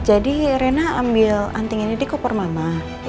jadi reina ambil anting ini di kopernya mama